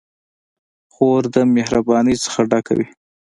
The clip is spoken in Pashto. خور د مهربانۍ نه ډکه وي.